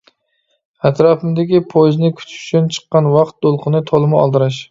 ئەتراپىمدىكى پويىزنى كۈتۈش ئۈچۈن چىققان ۋاقىت دولقۇنى تولىمۇ ئالدىراش.